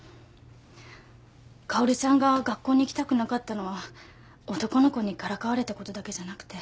薫ちゃんが学校に行きたくなかったのは男の子にからかわれたことだけじゃなくて。